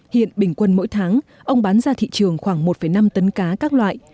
hiện bình quân mỗi tháng ông bán ra thị trường khoảng một năm tấn cá các loại